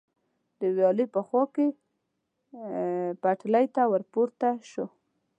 د ویالې په خوا کې پټلۍ ته ور پورته شو.